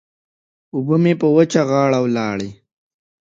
اوبه مې په وچه غاړه ولاړې.